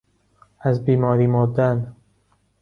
از بیماری مردن